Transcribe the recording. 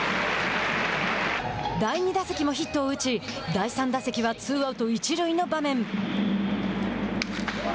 第２打席もヒットを打ち第３打席はツーアウト、一塁の場面。